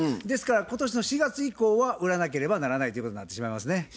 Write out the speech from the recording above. ですから今年の４月以降は売らなければならないということになってしまいますね。